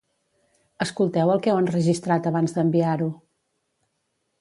Escolteu el que heu enregistrat abans d'enviar-ho